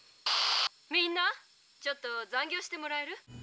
「みんなちょっと残業してもらえる？」。